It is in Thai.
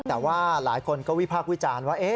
แต่ว่าหลายคนก็วิพากษ์วิจารณ์ว่า